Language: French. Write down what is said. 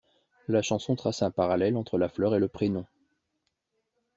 La chanson trace un parallèle entre la fleur et le prénom.